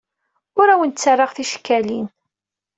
Ur awent-ttarraɣ ticekkalin.